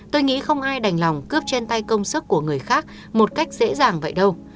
tôi nghĩ không ai đành lòng cướp trên tay công sức của người khác một cách dễ dàng vậy đâu